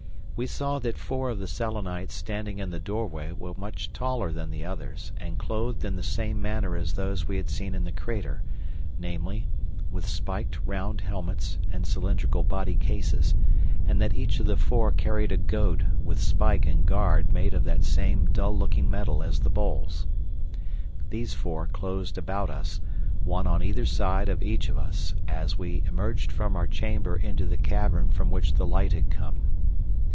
We saw that four of the Selenites standing in the doorway were much taller than the others, and clothed in the same manner as those we had seen in the crater, namely, with spiked round helmets and cylindrical body cases, and that each of the four carried a goad with spike and guard made of that same dull looking metal as the bowls. These four closed about us, one on either side of each of us, as we emerged from our chamber into the cavern from which the light had come.